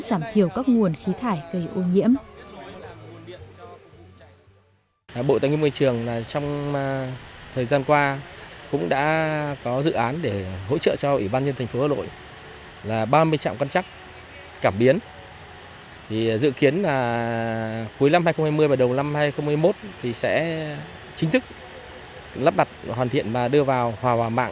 sảm thiểu các nguồn khí thải gây ô nhiễm